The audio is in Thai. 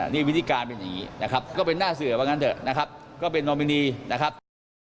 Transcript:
นี่วิธีการเป็นอย่างนี้นะครับก็เป็นหน้าเสือว่างั้นเถอะนะครับก็เป็นนอมินีนะครับ